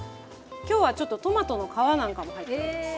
今日はちょっとトマトの皮なんかも入ってるんです。